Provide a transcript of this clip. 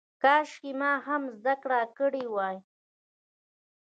کاشکې ما هم زده کړه کړې وای.